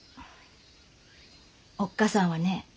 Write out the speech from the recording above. おっ母さんはね